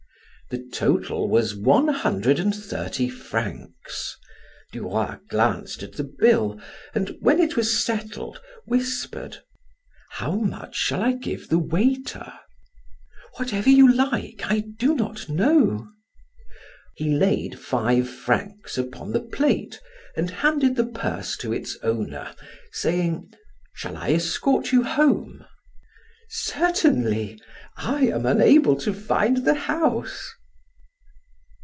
The total was one hundred and thirty francs. Duroy glanced at the bill and when it was settled, whispered: "How much shall I give the waiter?" "Whatever you like; I do not know." He laid five francs upon the plate and handed the purse to its owner, saying: "Shall I escort you home?" "Certainly; I am unable to find the house."